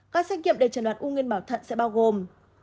các xét nghiệm để chẩn đoán u nguyên bảo thận sẽ bao gồm